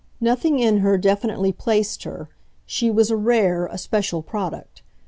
Nothing in her definitely placed her; she was a rare, a special product.